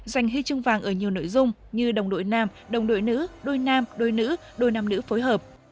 giành huy chương vàng ở nhiều nội dung như đồng đội nam đồng đội nữ đôi nam đôi nữ đôi nam nữ phối hợp